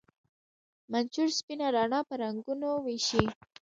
منشور سپینه رڼا په رنګونو ویشي.